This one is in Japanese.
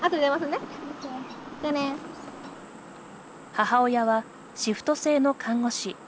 母親はシフト制の看護師。